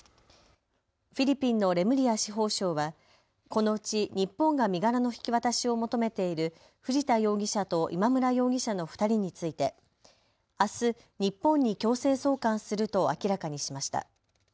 フィリピンのレムリア司法相はこのうち日本が身柄の引き渡しを求めている藤田容疑者と今村容疑者の２人についてあす日本に強制送還すると明らかにしました。